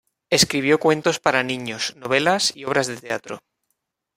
Escribió cuentos para niños, novelas y obras de teatro.